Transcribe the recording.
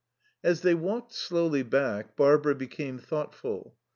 As they walked slowly back, Barbara became thoughtful.